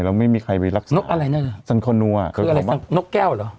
แล้วไม่มีใครไปรักนกอะไรนั่นน่ะสันโคนัวคืออะไรนกแก้วเหรอ